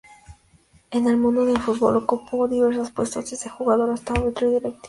En el mundo del fútbol ocupó diversos puestos, desde jugador hasta árbitro y directivo.